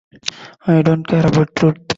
I don't care about truth.